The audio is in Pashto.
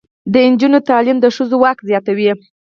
د نجونو تعلیم د ښځو واک زیاتوي.